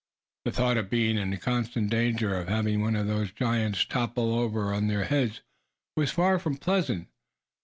The thought of being in constant danger of having one of those giants topple over upon their heads, was far from pleasant.